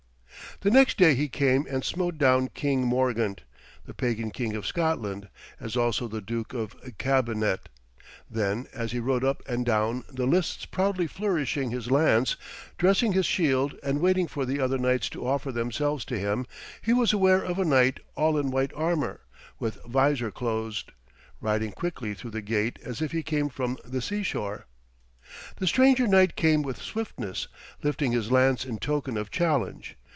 The next day he came and smote down King Morgant, the pagan King of Scotland, as also the Duke of Cambenet. Then, as he rode up and down the lists proudly flourishing his lance, dressing his shield and waiting for the other knights to offer themselves to him, he was aware of a knight all in white armour, with vizor closed, riding quickly through the gate as if he came from the seashore. The stranger knight came with swiftness, lifting his lance in token of challenge.